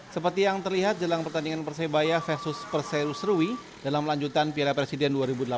seperti yang terlihat jelang pertandingan persebaya versus perseru serui dalam lanjutan piala presiden dua ribu delapan belas